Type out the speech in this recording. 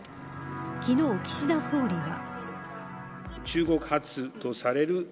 昨日、岸田総理は。